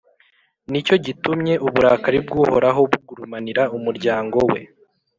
Ni cyo gitumye uburakari bw’Uhoraho bugurumanira umuryango we,